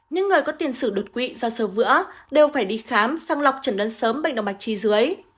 những người có tiền sử đột quỵ do sơ vữa đều phải đi khám sang lọc trần đoán sớm bệnh động mạch chi dưới